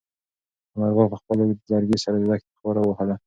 انارګل په خپل اوږد لرګي سره د دښتې خاوره ووهله.